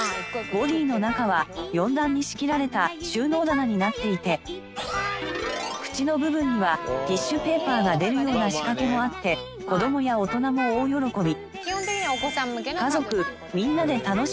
ボディーの中は４段に仕切られた収納棚になっていて口の部分にはティッシュペーパーが出るような仕掛けもあって子供や大人も大喜び。